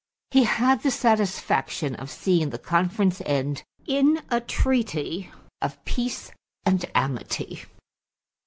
He had the satisfaction of seeing the conference end in a treaty of peace and amity.